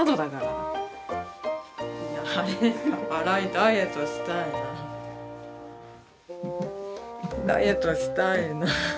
「ダイエットしたいな」。「ダイエットしたいな」。